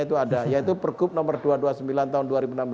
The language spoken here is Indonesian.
itu ada yaitu pergub nomor dua ratus dua puluh sembilan tahun dua ribu enam belas